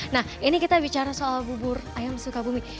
nah ini kita bicara soal bubur ayam suka bumi